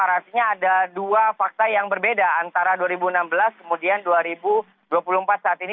artinya ada dua fakta yang berbeda antara dua ribu enam belas kemudian dua ribu dua puluh empat saat ini